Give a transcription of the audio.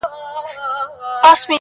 هغې ويل ه نور دي هيڅ په کار نه لرم~